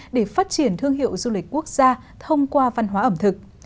để phát triển thương hiệu du lịch quốc gia thông qua văn hóa ẩm thực